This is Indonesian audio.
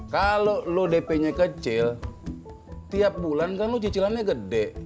kalau lo dp nya kecil tiap bulan kan lo cicilannya gede